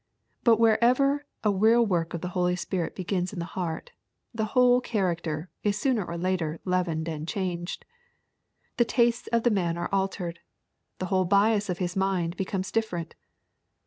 But wherever a real work of the Holy Ghost begins in the heart, the whole character is sooner or later leavened and changed. The tastes of the man are altered. The whole .bias of his mind becomes different.